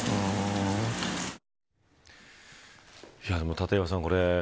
立岩さん